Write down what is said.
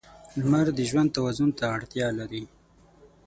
• لمر د ژوند توازن ته اړتیا لري.